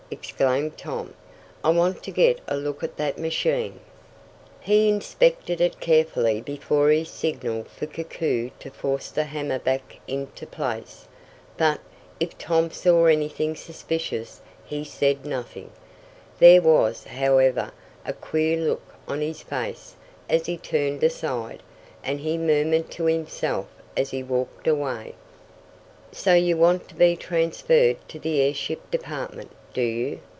exclaimed Tom. "I want to get a look at that machine." He inspected it carefully before he signaled for Koku to force the hammer back into place. But, if Tom saw anything suspicious, he said nothing. There was, however, a queer look on his face as he turned aside, and he murmured to himself, as he walked away: "So you want to be transferred to the airship department, do you?